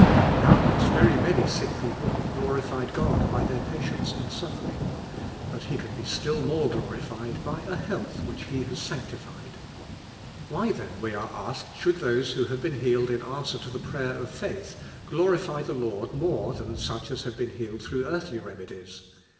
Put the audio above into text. Doubtless very many sick people DIVIKE HEAIJNQ. 97 have glorified God by their patience in suffering, but He can be still more glori fied by a health which He has sanctified. Why then, we are asked, should those who have been healed in answer to the prayer of faith glorify I he Lord more than such as have been healed through earth ly remedies?